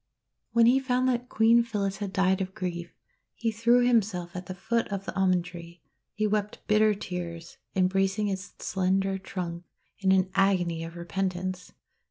When he found that Queen Phyllis had died of grief, he threw himself at the foot of the Almond tree. He wrept bitter tears, embracing its slender trunk in an agony of repentance.